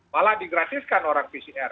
malah digratiskan orang pcr